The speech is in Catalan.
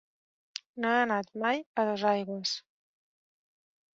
No he anat mai a Dosaigües.